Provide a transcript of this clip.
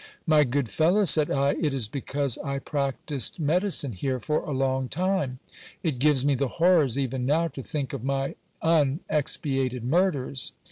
My good fellow, said I, it is because I practised medicine here for a long time. It gives me the horrors, even now, to think of my unexpiated murders.